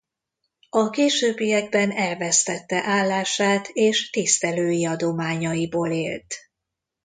A későbbiekben elvesztette állását és tisztelői adományaiból élt.